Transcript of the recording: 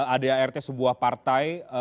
adart sebuah partai